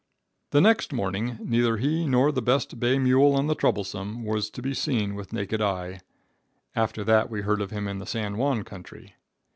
The next morning neither he nor the best bay mule on the Troublesome was to be seen with naked eye. After that we heard of him in the San Juan country.